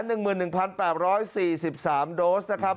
ลุ้นลุ้น๙๗๙๗๗๑๑๘๔๓โดสนะครับ